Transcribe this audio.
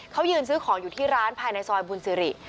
เขายืนซื้อของอยู่ที่ร้านภายในซอยบุญสิริ